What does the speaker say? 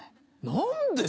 何で？